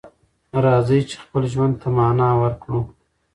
راځئ چې خپل ژوند ته معنی ورکړو.